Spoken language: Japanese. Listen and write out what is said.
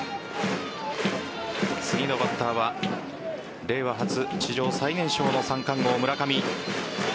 次のバッターは令和初史上最年少の三冠王・村上。